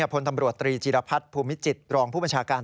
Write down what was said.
พลตำรวจตรีจีรพัฒน์ภูมิจิตรองผู้บัญชาการ